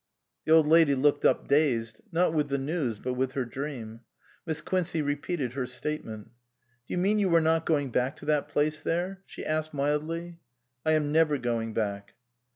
The old lady looked up dazed, not with the news but with her dream. Miss Quincey re peated her statement. " Do you mean you are not going back to that place there ?" she asked mildly. " I am never going back."